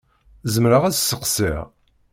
Zemreɣ ad d-sseqsiɣ?